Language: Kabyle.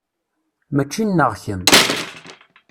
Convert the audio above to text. Mačči nneɣ kemm.